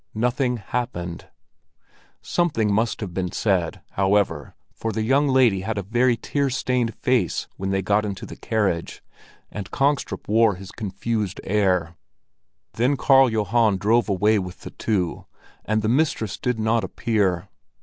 Nothing happened! Something must have been said, however, for the young lady had a very tear stained face when they got into the carriage, and Kongstrup wore his confused air. Then Karl Johan drove away with the two; and the mistress did not appear.